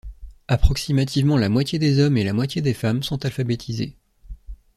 Approximativement la moitié des hommes et la moitié des femmes sont alphabétisées.